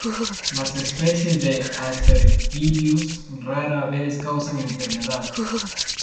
Las especies de "Aspergillus" rara vez causan enfermedad.